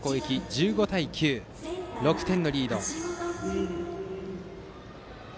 １５対９と６点のリード。